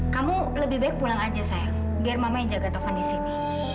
kamu lebih baik pulang aja saya biar mama yang jaga telepon di sini